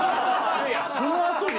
そのあとに。